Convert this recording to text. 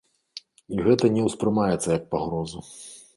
І гэта не ўспрымаецца як пагроза.